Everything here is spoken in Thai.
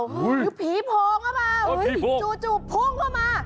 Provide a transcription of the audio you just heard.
หรือผีโพงเข้ามาจู่พุงเข้ามา